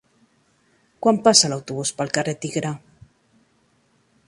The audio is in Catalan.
Quan passa l'autobús pel carrer Tigre?